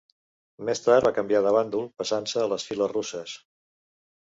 Més tard va canviar de bàndol passant-se a les files russes.